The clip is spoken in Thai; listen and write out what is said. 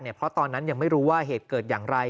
เพราะตอนนั้นยังไม่รู้ว่าเหตุเกิดอย่างไร